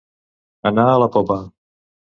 Anar a la popa.